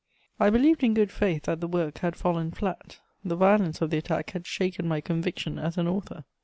I believed in good faith that the work had fallen flat; the violence of the attack had shaken my conviction as an author.